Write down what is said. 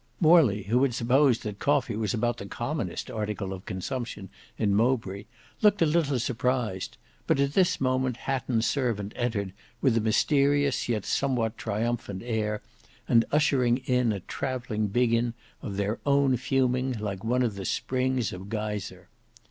Morley who had supposed that coffee was about the commonest article of consumption in Mowbray, looked a little surprised; but at this moment Hatton's servant entered with a mysterious yet somewhat triumphant air, and ushering in a travelling biggin of their own fuming like one of the springs of Geyser.